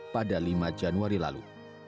sejak lima januari lalu